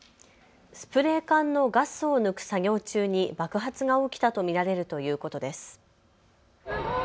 スプレー缶のガスを抜く作業中に爆発が起きたと見られるということです。